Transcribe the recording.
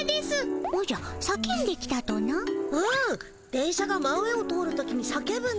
電車が真上を通る時に叫ぶんだ。